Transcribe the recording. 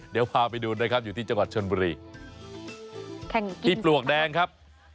เดี๋ยวพาไปดูนะครับอยู่ที่จังหวัดชนบุรีที่ปลวกแดงครับ